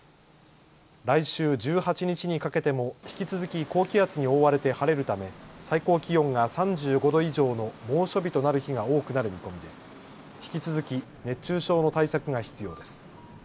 来週１８日にかけても引き続き高気圧に覆われて晴れるため最高気温が３５度以上の猛暑日となる日が多くなる見込みで引き続き熱中症の対策が必要です。